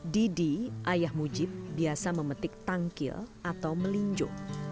didi ayah mujib biasa memetik tangkil atau melinjo